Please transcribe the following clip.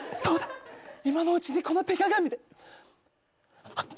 今のうちにこの手鏡で。